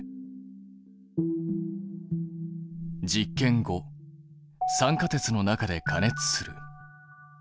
実験５酸化鉄の中で加熱する。